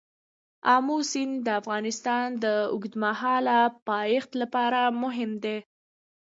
آمو سیند د افغانستان د اوږدمهاله پایښت لپاره مهم دی.